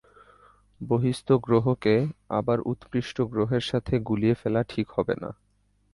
বহিঃস্থ গ্রহকে আবার উৎকৃষ্ট গ্রহের সাথে গুলিয়ে ফেলা ঠিক হবে না।